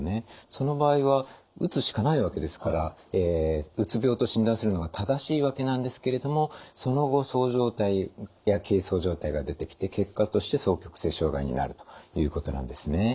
その場合はうつしかないわけですからうつ病と診断するのが正しいわけなんですけれどもその後そう状態や軽そう状態が出てきて結果として双極性障害になるということなんですね。